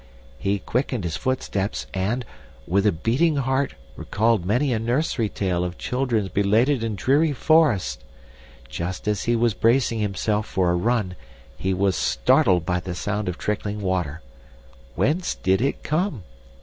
He quickened his footsteps and, with a beating heart recalled many a nursery tale of children belated in dreary forests. Just as he was bracing himself for a run, he was startled by the sound of trickling water. Whence did it come?